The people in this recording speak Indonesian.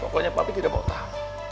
pokoknya papi tidak mau tahu